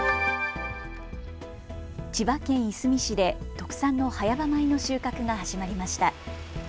千葉県いすみ市で特産の早場米の収穫が始まりました。